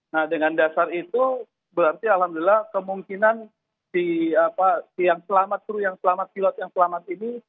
nah dengan dasar itu berarti alhamdulillah kemungkinan si yang selamat kru yang selamat pilot yang selamat ini